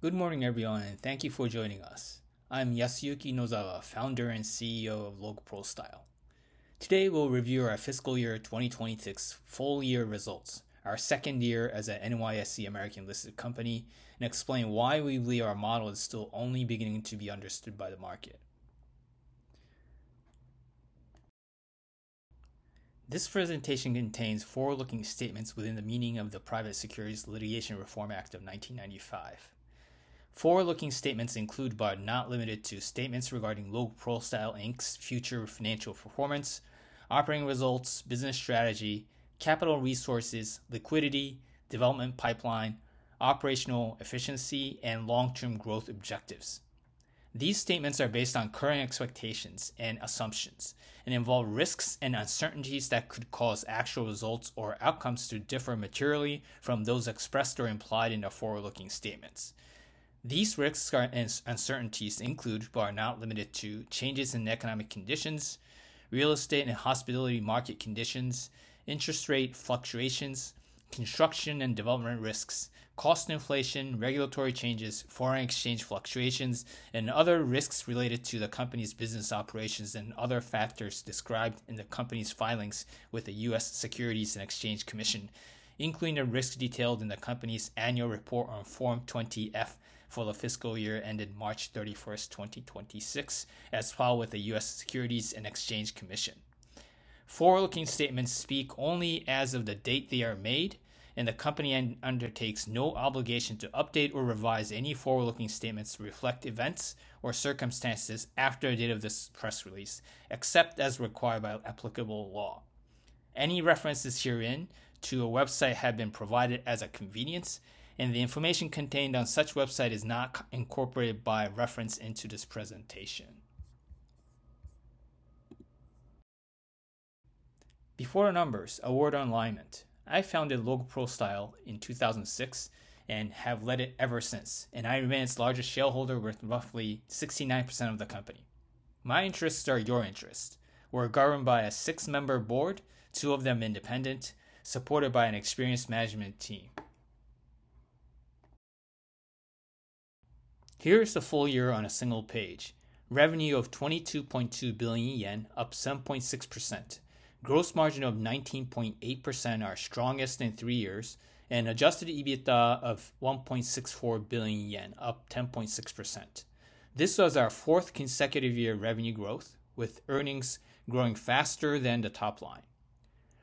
Good morning, everyone, and thank you for joining us. I'm Yasuyuki Nozawa, Founder and CEO of LogProstyle. Today, we'll review our fiscal year 2026 full-year results, our second year as a NYSE American-listed company, and explain why we believe our model is still only beginning to be understood by the market. This presentation contains forward-looking statements within the meaning of the Private Securities Litigation Reform Act of 1995. Forward-looking statements include, but are not limited to, statements regarding LogProstyle Inc.'s future financial performance, operating results, business strategy, capital resources, liquidity, development pipeline, operational efficiency, and long-term growth objectives. These statements are based on current expectations and assumptions and involve risks and uncertainties that could cause actual results or outcomes to differ materially from those expressed or implied in the forward-looking statements. These risks and uncertainties include, but are not limited to, changes in economic conditions, real estate and hospitality market conditions, interest rate fluctuations, construction and development risks, cost inflation, regulatory changes, foreign exchange fluctuations, and other risks related to the company's business operations and other factors described in the company's filings with the U.S. Securities and Exchange Commission, including the risks detailed in the company's annual report on Form 20-F for the fiscal year ended March 31st, 2026, as filed with the U.S. Securities and Exchange Commission. Forward-looking statements speak only as of the date they are made, and the company undertakes no obligation to update or revise any forward-looking statements to reflect events or circumstances after the date of this press release, except as required by applicable law. Any references herein to a website have been provided as a convenience, and the information contained on such website is not incorporated by reference into this presentation. Before the numbers, a word on alignment. I founded LogProstyle in 2006 and have led it ever since, and I remain its largest shareholder with roughly 69% of the company. My interests are your interests. We're governed by a six-member board, two of them independent, supported by an experienced management team. Here is the full year on a single page. Revenue of 22.2 billion yen, up 7.6%. Gross margin of 19.8%, our strongest in three years, and adjusted EBITDA of 1.64 billion yen, up 10.6%. This was our fourth consecutive year of revenue growth, with earnings growing faster than the top line.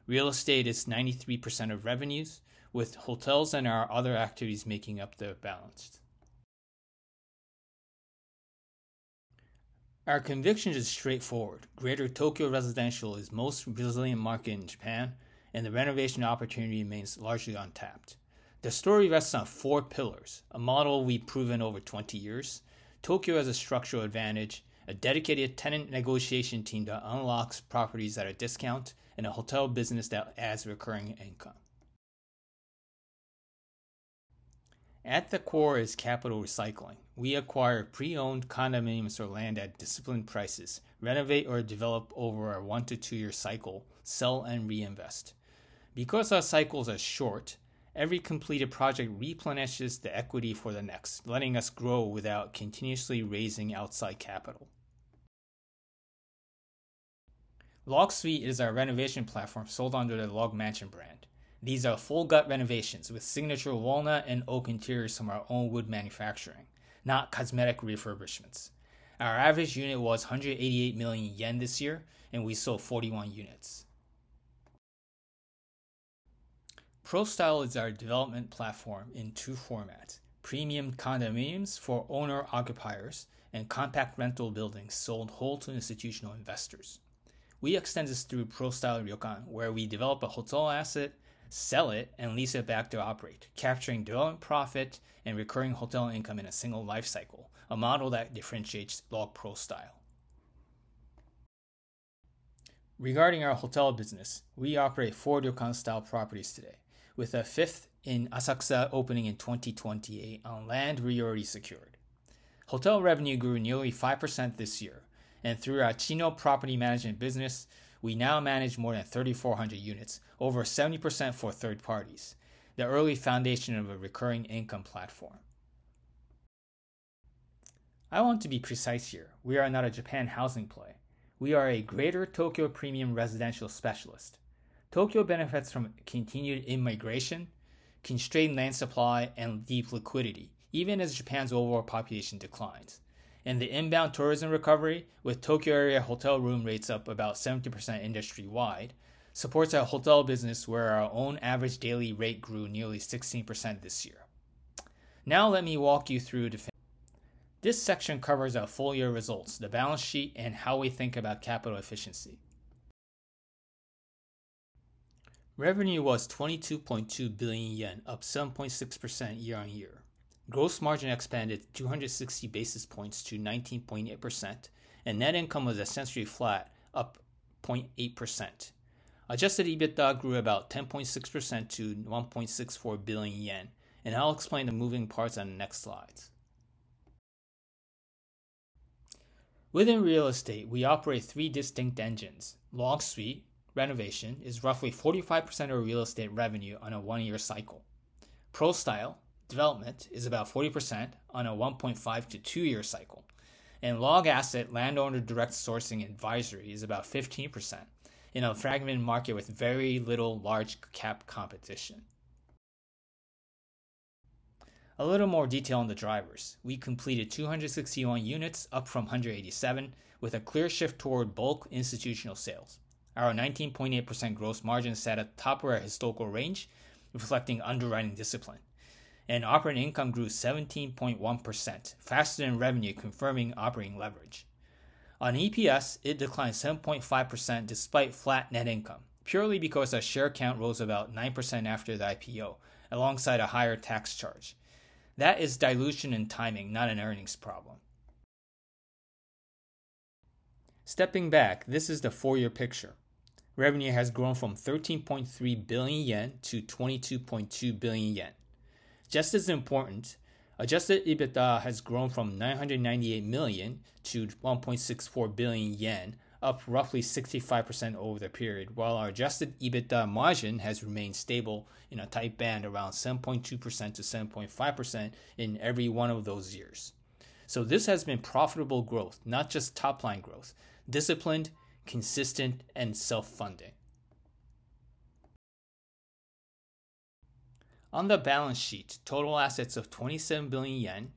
Real estate is 93% of revenues, with hotels and our other activities making up the balance. Our conviction is straightforward. Greater Tokyo residential is the most resilient market in Japan, and the renovation opportunity remains largely untapped. The story rests on four pillars, a model we've proven over 20 years. Tokyo has a structural advantage, a dedicated tenant negotiation team that unlocks properties at a discount, and a hotel business that adds recurring income. At the core is capital recycling. We acquire pre-owned condominiums or land at disciplined prices, renovate or develop over a one-to-two year cycle, sell and reinvest. Because our cycles are short, every completed project replenishes the equity for the next, letting us grow without continuously raising outside capital. LogSuite is our renovation platform sold under the LogMansion brand. These are full gut renovations with signature walnut and oak interiors from our own wood manufacturing, not cosmetic refurbishments. Our average unit was 188 million yen this year, and we sold 41 units. Prostyle is our development platform in two formats, premium condominiums for owner-occupiers, and compact rental buildings sold whole to institutional investors. We extend this through Prostyle Ryokan, where we develop a hotel asset, sell it, and lease it back to operate, capturing development profit and recurring hotel income in a single life cycle, a model that differentiates LogProstyle. Regarding our hotel business, we operate four ryokan-style properties today, with a fifth in Asakusa opening in 2028 on land we already secured. Hotel revenue grew nearly 5% this year. Through our Chino property management business, we now manage more than 3,400 units, over 70% for third parties, the early foundation of a recurring income platform. I want to be precise here. We are not a Japan housing play. We are a Greater Tokyo premium residential specialist. Tokyo benefits from continued immigration, constrained land supply, and deep liquidity, even as Japan's overall population declines. The inbound tourism recovery, with Tokyo area hotel room rates up about 70% industry-wide, supports our hotel business, where our own average daily rate grew nearly 16% this year. Let me walk you through. This section covers our full year results, the balance sheet, and how we think about capital efficiency. Revenue was 22.2 billion yen, up 7.6% year-on-year. Gross margin expanded 260 basis points to 19.8%. Net income was essentially flat, up 0.8%. adjusted EBITDA grew about 10.6% to 1.64 billion yen. I'll explain the moving parts on the next slides. Within real estate, we operate three distinct engines. LogSuite renovation is roughly 45% of real estate revenue on a one-year cycle. Prostyle development is about 40% on a 1.5 to two-year cycle. LogAsset landowner direct sourcing advisory is about 15%, in a fragmented market with very little large cap competition. A little more detail on the drivers. We completed 261 units, up from 187 units, with a clear shift toward bulk institutional sales. Our 19.8% gross margin sat at the top of our historical range, reflecting underwriting discipline. Operating income grew 17.1%, faster than revenue, confirming operating leverage. On EPS, it declined 7.5% despite flat net income, purely because our share count rose about 9% after the IPO alongside a higher tax charge. That is dilution and timing, not an earnings problem. Stepping back, this is the four-year picture. Revenue has grown from 13.3 billion yen to 22.2 billion yen. Just as important, adjusted EBITDA has grown from 998 million to 1.64 billion yen, up roughly 65% over the period, while our adjusted EBITDA margin has remained stable in a tight band around 7.2%-7.5% in every one of those years. This has been profitable growth, not just top-line growth. Disciplined, consistent, and self-funding. On the balance sheet, total assets of 27 billion yen,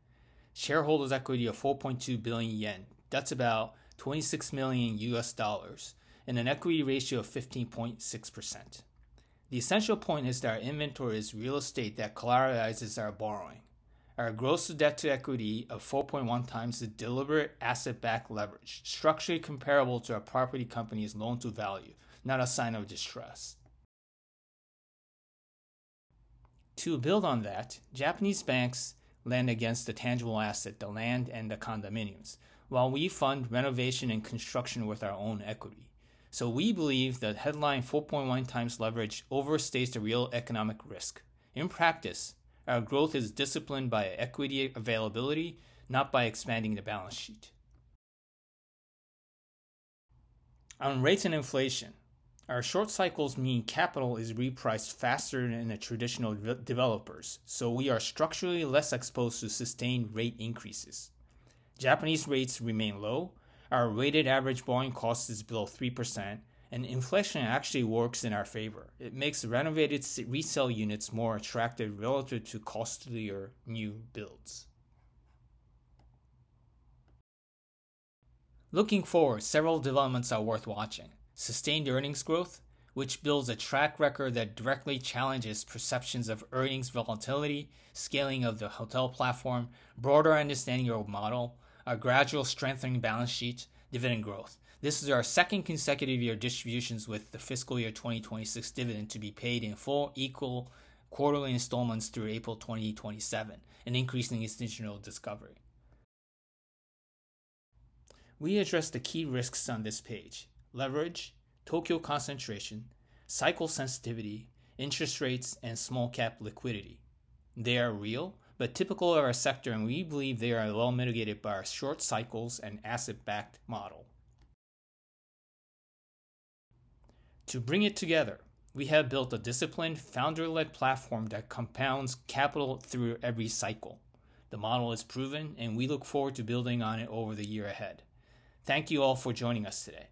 shareholders equity of 4.2 billion yen. That's about $26 million, an equity ratio of 15.6%. The essential point is that our inventory is real estate that collateralizes our borrowing. Our gross debt to equity of 4.1 times the deliberate asset backed leverage structurally comparable to a property company's loan to value, not a sign of distress. To build on that, Japanese banks lend against the tangible asset, the land and the condominiums, while we fund renovation and construction with our own equity. We believe the headline 4.1x leverage overstates the real economic risk. In practice, our growth is disciplined by equity availability, not by expanding the balance sheet. On rates and inflation, our short cycles mean capital is repriced faster than the traditional developers. We are structurally less exposed to sustained rate increases. Japanese rates remain low. Our weighted average borrowing cost is below 3%. Inflation actually works in our favor. It makes renovated resale units more attractive relative to costlier new builds. Looking forward, several developments are worth watching. Sustained earnings growth, which builds a track record that directly challenges perceptions of earnings volatility, scaling of the hotel platform, broader understanding of our model, our gradual strengthening balance sheet, dividend growth. This is our second consecutive year of distributions with the fiscal 2026 dividend to be paid in four equal quarterly installments through April 2027, and increasing institutional discovery. We address the key risks on this page. Leverage, Tokyo concentration, cycle sensitivity, interest rates, and small cap liquidity. They are real, but typical of our sector. We believe they are well mitigated by our short cycles and asset-backed model. To bring it together, we have built a disciplined, founder-led platform that compounds capital through every cycle. The model is proven. We look forward to building on it over the year ahead. Thank you all for joining us today.